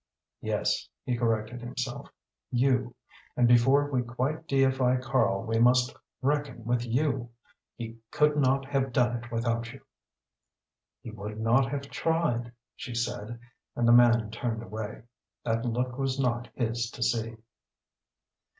"Yes," he corrected himself "you. And before we quite deify Karl we must reckon with you. He could not have done it without you." "He would not have tried," she said and the man turned away. That look was not his to see.